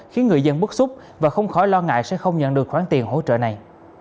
khiến người dân bức xúc và không khỏi lo ngại sẽ không nhận được khoản tiền hỗ trợ này